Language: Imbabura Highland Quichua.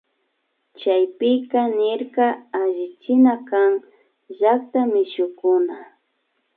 Chaypika nirka allichinakan llakta y mishukuna